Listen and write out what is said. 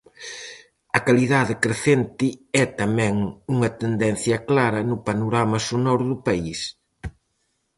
A calidade crecente é tamén unha tendencia clara no panorama sonoro do país.